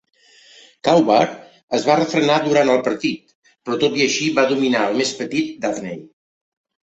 Crowbar es va refrenar durant el partit, però tot i així va dominar el més petit Daffney.